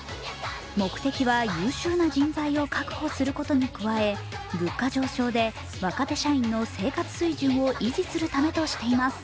目的は優秀な人材を確保することに加え物価上昇で若手社員の生活水準を維持するためとしています。